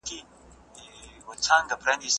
ستونزي د پرمختګ لپاره یو لوی فرصت دی.